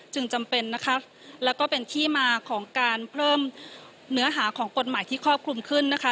จำเป็นนะคะแล้วก็เป็นที่มาของการเพิ่มเนื้อหาของกฎหมายที่ครอบคลุมขึ้นนะคะ